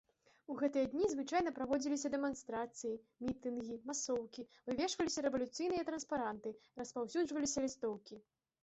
У гэтыя дні звычайна праводзіліся дэманстрацыі, мітынгі, масоўкі, вывешваліся рэвалюцыйныя транспаранты, распаўсюджваліся лістоўкі.